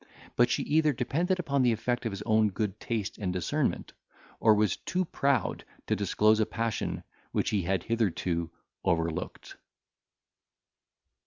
But she either depended upon the effect of his own good taste and discernment, or was too proud to disclose a passion which he had hitherto overlooked.